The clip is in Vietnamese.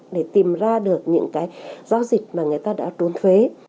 để tìm ra được những cái giao dịch mà người ta đã trốn thuế